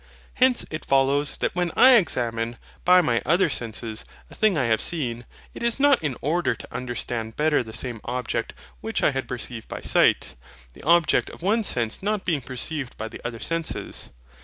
Hence it follows that when I examine, by my other senses, a thing I have seen, it is not in order to understand better the same object which I had perceived by sight, the object of one sense not being perceived by the other senses.